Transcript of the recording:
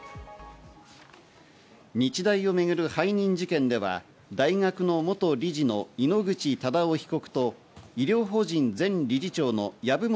日大をめぐる背任事件では大学の元理事の井ノ口忠男被告と医療法人前理事長の籔本